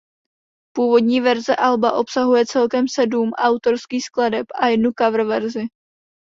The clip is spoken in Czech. Původní verze alba obsahuje celkem sedm autorských skladeb a jednu coververzi.